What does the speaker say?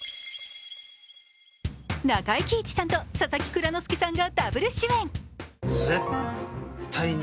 中井貴一さんと佐々木蔵之介さんがダブル主演。